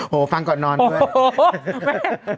โหฟังก่อนนอนเว้ย